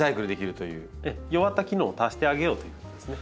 弱った機能を足してあげようということですね。